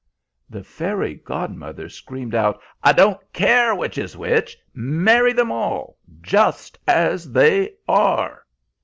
"The fairy godmother screamed out: 'I don't care which is which! Marry them all, just as they are!'